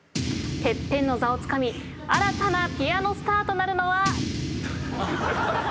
ＴＥＰＰＥＮの座をつかみ新たなピアノスターとなるのは？